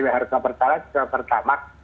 harga pertalat ke pertamak